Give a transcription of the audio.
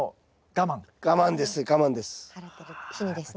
我慢ですね我慢です。